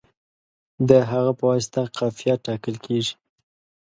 د هغه په واسطه قافیه ټاکل کیږي.